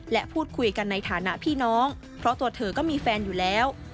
และพูดคุยกันในฐานะพี่น้องเพราะตัวเธอก็มีแฟนอยู่แล้ว